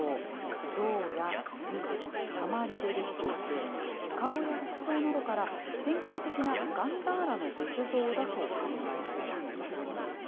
銅やスズ、鉛で出来ていて、顔や服装などから、典型的なガンダーラの仏像だと考えられます。